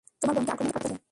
তোমার বোনকে আক্রমণ করেছে।